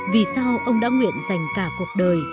vì sao ông đã nguyện dành cả cuộc đời